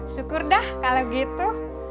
syukur dah kalau gitu